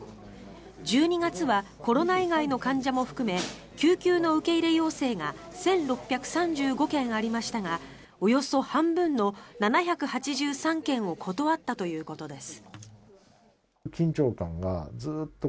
１２月はコロナ以外の患者も含め救急の受け入れ要請が１６３５件ありましたがおよそ半分の７８３件を断ったということです。